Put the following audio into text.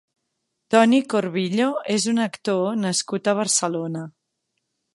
Tony Corvillo és un actor nascut a Barcelona.